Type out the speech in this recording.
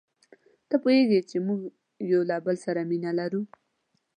ته پوهیږې چي موږ یو له بل سره مینه لرو.